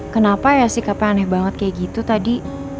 kenapa ya sikapnya aneh banget kayak gitu tadi